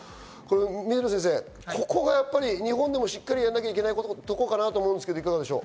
水野先生、ここがやっぱり日本でもしっかりやらなきゃいけないところかと思いますが、いかがでしょう？